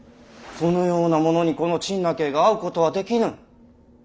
そのような者にこの陳和が会うことはできぬ。